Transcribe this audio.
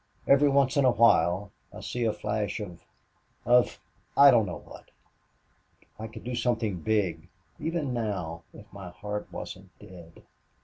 "Every once in a while I see a flash of of I don't know what. I could do something big even now if my heart wasn't dead."